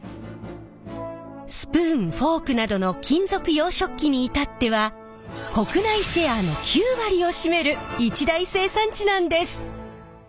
スプーンフォークなどの金属洋食器に至っては国内シェアの９割を占める一大生産地なんです。